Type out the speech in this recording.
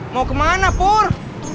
mau kemana pur